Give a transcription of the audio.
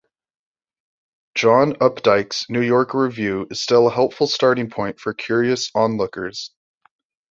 John Updike's New Yorker review is still a helpful starting point for curious onlookers.